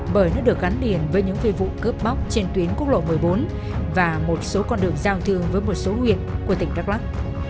bởi nó được gắn liền với những phi vụ cướp bóc trên tuyến quốc lộ một mươi bốn và một số con đường giao thương với một số huyện của tỉnh đắk lắc